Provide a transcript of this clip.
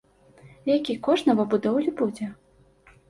Які кошт новабудоўлі будзе?